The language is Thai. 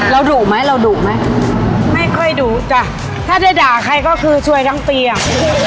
ดุไหมเราดุไหมไม่ค่อยดุจ้ะถ้าได้ด่าใครก็คือซวยทั้งปีอ่ะ